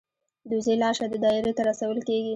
د وزې لاشه د دایرې ته رسول کیږي.